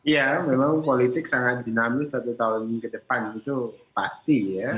ya memang politik sangat dinamis satu tahun ke depan itu pasti ya